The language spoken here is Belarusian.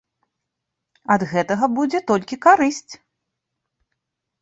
Ад гэтага будзе толькі карысць.